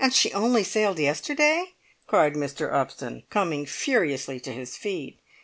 "And she only sailed yesterday?" cried Mr. Upton, coming furiously to his feet.